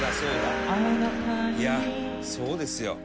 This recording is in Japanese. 「いやそうですよ」